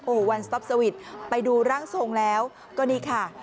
โอ้โหวันไปดูร่างทรงแล้วก็นี่ค่ะ